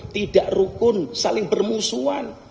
tidak rukun saling bermusuhan